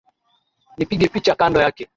Nipige picha kando yake.